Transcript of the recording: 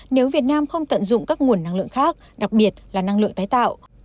nếu việt nam không tận dụng các nguồn năng lượng khác đặc biệt là năng lượng tái tạo